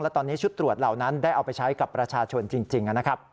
และตอนนี้ชุดตรวจเหล่านั้นได้เอาไปใช้กับประชาชนจริงนะครับ